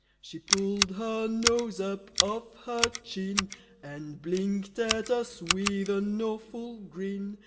She pulled her nose up off her chin And blinked at us with an awful grin.